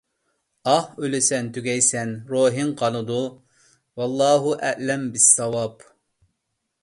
ئاھ، ئۆلىسەن، تۈگەيسەن، روھىڭ قالىدۇ. ۋاللاھۇ ئەئلەم بىسساۋاب!